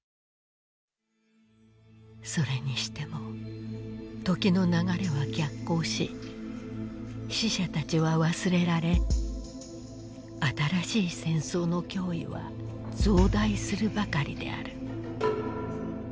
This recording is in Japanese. それにしても時の流れは逆行し死者たちは忘れられ新しい戦争の脅威は増大するばかりである。